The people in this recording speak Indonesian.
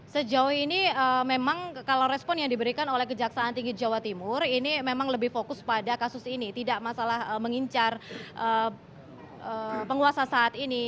sejauh ini memang kalau respon yang diberikan oleh kejaksaan tinggi jawa timur ini memang lebih fokus pada kasus ini tidak masalah mengincar penguasa saat ini